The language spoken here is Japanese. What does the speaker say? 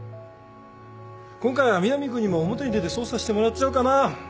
今回は南君にも表に出て捜査してもらっちゃおうかな。